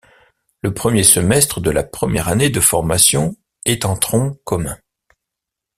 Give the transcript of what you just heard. Le premier semestre de la première année de formation est en tronc commun.